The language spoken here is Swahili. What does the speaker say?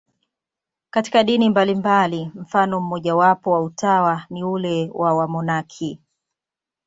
Katika dini mbalimbali, mfano mmojawapo wa utawa ni ule wa wamonaki.